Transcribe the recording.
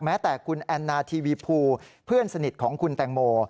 แม้แต่คุณแอนนาทีวีภูเพื่อนสนิทของคุณแตงโม